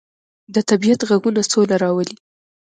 د طبیعت غږونه سوله راولي.